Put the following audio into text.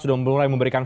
sudah mulai memberikan